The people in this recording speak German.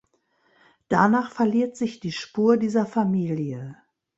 Danach verliert sich die Spur dieser Familie.